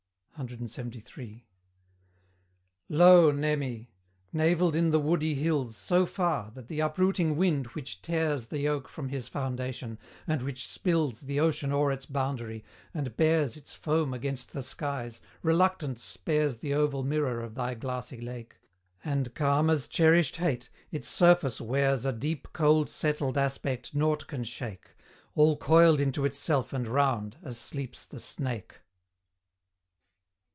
CLXXIII. Lo, Nemi! navelled in the woody hills So far, that the uprooting wind which tears The oak from his foundation, and which spills The ocean o'er its boundary, and bears Its foam against the skies, reluctant spares The oval mirror of thy glassy lake; And, calm as cherished hate, its surface wears A deep cold settled aspect nought can shake, All coiled into itself and round, as sleeps the snake.